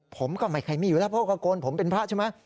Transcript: ผมก็ไม่เคยมีอยู่แล้วเพราะก็โกนผมเป็นพระใช่ไหม